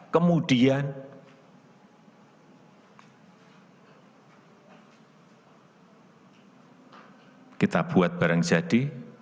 kemudian kita buat barang jadi